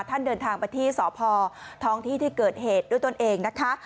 ท่านเดินทางไปที่สภลำลูกกาท้องที่เกิดเหตุด้วยตนเองนะคะ